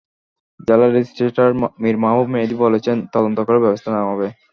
জেলা রেজিস্ট্রার মীর মাহবুব মেহেদি বলেছেন, তদন্ত করে ব্যবস্থা নেওয়া হবে।